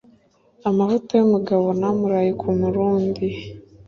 Amavuta y’umugabo ni amuraye ku murundi.